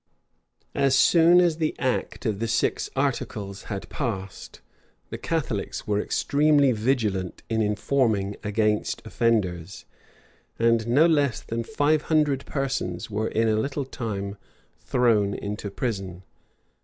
As soon as the act of the six articles had passed, the Catholics were extremely vigilant in informing against offenders; and no less than five hundred persons were in a little time thrown into prison.